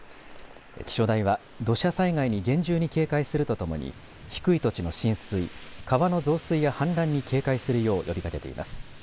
気象台は土砂災害に厳重に警戒するとともに低い土地の浸水、川の増水や氾濫に警戒するよう呼びかけています。